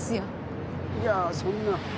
いやーそんな。